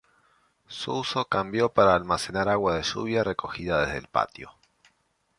Su uso cambió para almacenar agua de lluvia recogida desde el patio.